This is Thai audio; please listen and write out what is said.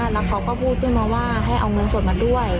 แล้วเขาก็พูดขึ้นมาว่าให้เอาเงินสดมาด้วย